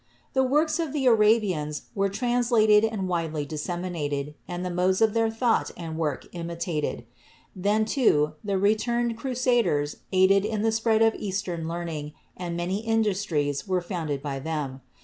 The works of the Arabians were translated and widely disseminated, and the modes of their thought and work imitated. Then, too, the returned crusaders aided in the spread of Eastern learning and many industries were founded by them.